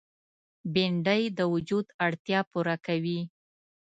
بېنډۍ د وجود اړتیا پوره کوي